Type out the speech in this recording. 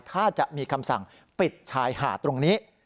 ถ้าจะมีคำสั่งปิดชายหาดตรงนี้